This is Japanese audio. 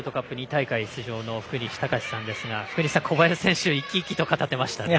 ２大会出場の福西崇史さんですが福西さん、小林選手生き生きと語っていましたね。